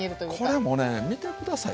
これもね見て下さい。